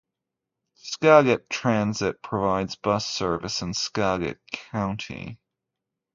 Skagit Transit provides bus service in Skagit County.